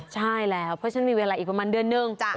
ใช่แล้วเพราะฉะนั้นมีเวลาอีกประมาณเดือนนึง